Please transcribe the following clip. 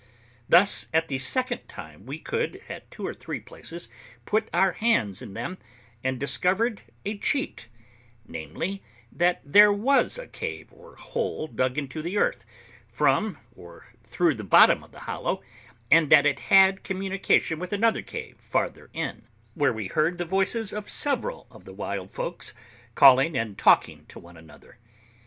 Thus at the second time we could, at two or three places, put our hands in them, and discovered a cheat, namely, that there was a cave or hole dug into the earth, from or through the bottom of the hollow, and that it had communication with another cave farther in, where we heard the voices of several of the wild folks, calling and talking to one another.